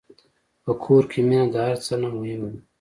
په کور کې مینه د هر څه نه مهمه ده.